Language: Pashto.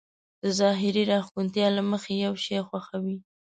د ظاهري راښکونتيا له مخې يو شی خوښوي.